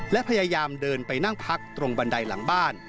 และพยายามเดินไปนั่งพักตรงบันไดหลังบ้าน